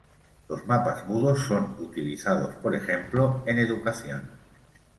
Los mapas mudos son utilizados, por ejemplo, en educación.